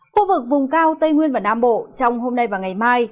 khu vực vùng cao tây nguyên và nam bộ trong hôm nay và ngày mai